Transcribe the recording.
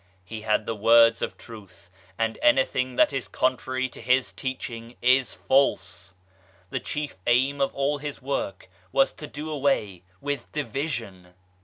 He had the words of Truth, and anything that is contrary to his teaching is false. The chief aim of all his work was to do away with division.